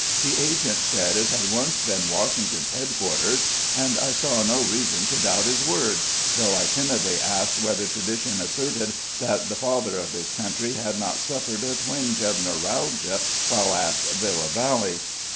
The agent said it had once been Washington's headquarters, and I saw no reason to doubt his word; though I timidly asked whether tradition asserted that the Father of his Country had not suffered a twinge of neuralgia while at Villa Valley.